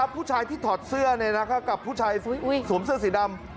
ผู้ชายที่ถอดเสื้อกับผู้ชายสวมเสื้อสีดำ